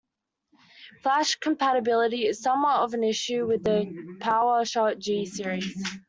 Flash compatibility is somewhat of an issue with the Powershot G series.